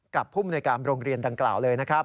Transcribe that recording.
กับผู้มนุยกรรมโรงเรียนดังกล่าวเลย